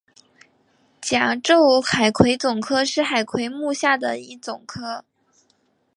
甲胄海葵总科是海葵目下的一总科。